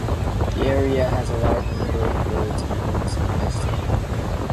The area has a large number of birds, mammals and vegetation cover.